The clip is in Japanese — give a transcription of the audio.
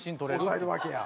抑えるわけや。